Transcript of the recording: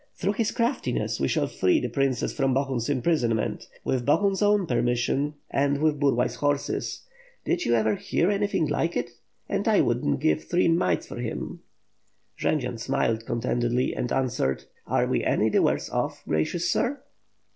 Through his craftiness, we shall free the princess from Bo hun's imprisonment, with Bohun's own permission and with Burlay's horses. Did you ever hear anything like it? And I wouldn't give three mites for him." Jendzian smiled contentedly and answered: "Are we any the worse off, gracious sii